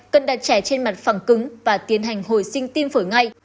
cần đặt trẻ trên mặt phẳng cứng và tiến hành hồi sinh tim phổi ngay